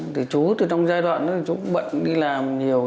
tới chú ở trong giai đoạn chú cũng bận đi làm nhiều